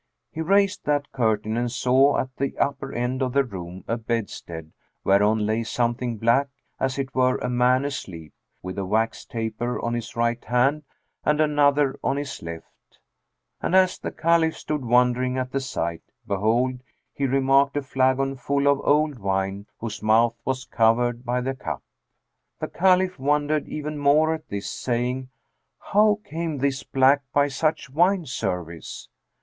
He raised that curtain and saw, at the upper end of the room, a bedstead whereon lay something black, as it were a man asleep, with a wax taper on his right hand and another on his left; and as the Caliph stood wondering at the sight, behold, he remarked a flagon full of old wine whose mouth was covered by the cup. The Caliph wondered even more at this, saying, "How came this black by such wine service?"